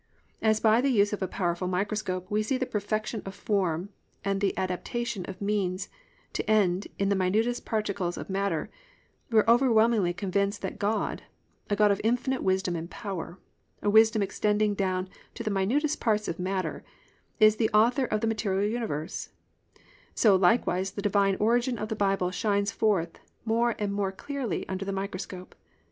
As by the use of a powerful microscope we see the perfection of form and the adaptation of means to end in the minutest particles of matter, we are overwhelmingly convinced that God, a God of infinite wisdom and power, a wisdom extending down to the minutest parts of matter, is the author of the material universe: so likewise the divine origin of the Bible shines forth more and more clearly under the microscope.